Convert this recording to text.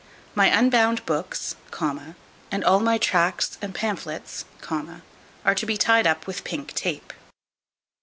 My unbound books, and all my tracts and pamphlets, are to be tied up with pink tape.